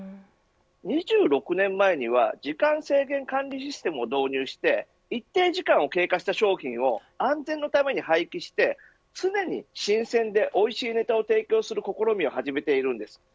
２６年前には時間制限管理システムを導入して一定時間を経過した商品を安全のために廃棄して常に新鮮でおいしいネタを提供する試みを始めています。